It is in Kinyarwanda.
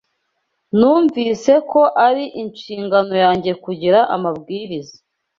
numvise ko ari inshingano yanjye kugira amabwiriza